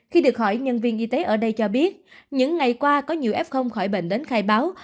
khi được hỏi nhân viên y tế ở đây cho biết những ngày qua có nhiều f khỏi bệnh đến khai báo